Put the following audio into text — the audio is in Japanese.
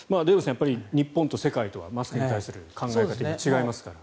やっぱり日本と世界とはマスクに対する考え方違いますから。